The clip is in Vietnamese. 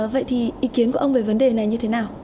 vậy thì ý kiến của ông về vấn đề này như thế nào